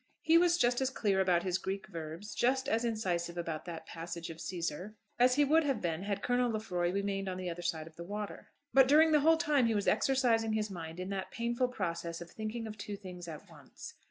He was just as clear about his Greek verbs, just as incisive about that passage of Cæsar, as he would have been had Colonel Lefroy remained on the other side of the water. But during the whole time he was exercising his mind in that painful process of thinking of two things at once.